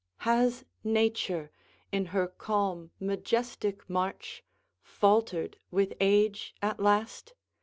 V. Has Nature, in her calm, majestic march, Faltered with age at last?